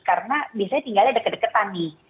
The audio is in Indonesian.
karena biasanya tinggalnya deket deketan nih